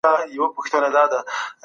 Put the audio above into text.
که يو غړی درد کوي نو ټول وجود ناارامه وي.